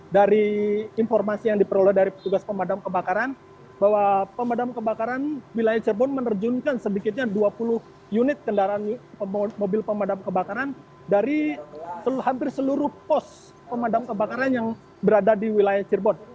dari informasi yang diperoleh dari petugas pemadam kebakaran bahwa pemadam kebakaran wilayah cirebon menerjunkan sedikitnya dua puluh unit kendaraan mobil pemadam kebakaran dari hampir seluruh pos pemadam kebakaran yang berada di wilayah cirebon